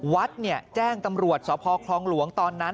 วัดแจ้งตำรวจสพคลองหลวงตอนนั้น